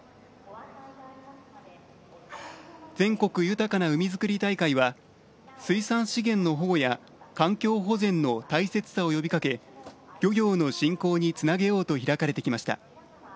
「全国豊かな海づくり大会」は水産資源の保護や環境保全の大切さを呼びかけ漁業の振興につなげようと開かれてきました。